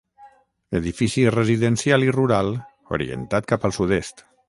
Edifici residencial i rural orientat cap al sud-est.